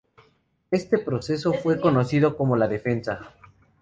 Este proceso fue conocido como la Defensa.